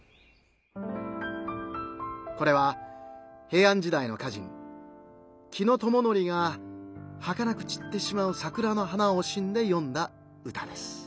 これは平安時代の歌人紀友則がはかなく散ってしまうさくらの花をおしんでよんだ歌です。